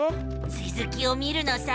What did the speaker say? つづきを見るのさ！